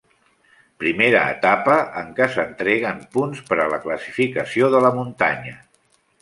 Primera etapa en què s'entreguen punts per a la classificació de la muntanya.